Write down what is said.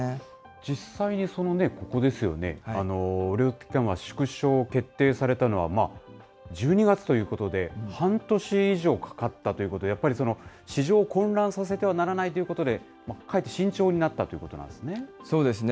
実際にここですよね、量的緩和縮小を決定されたのは１２月ということで、半年以上かかったということで、やっぱり市場を混乱させてはならないということで、かえって慎重になったということなんですね。